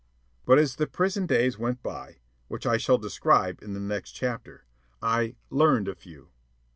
But as the prison days went by (which I shall describe in the next chapter), I "learned a few."